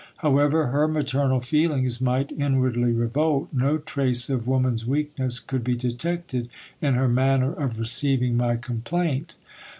However her maternal feelings might inwardly revolt, no trace of woman's weakness could be detected in her manner of re ceiving my complaint.